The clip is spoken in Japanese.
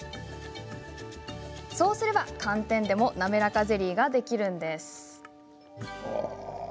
そうすれば、寒天でもなめらかゼリーができるんです。